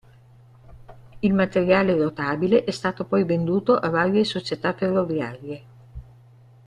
Il materiale rotabile è stato poi venduto a varie società ferroviarie.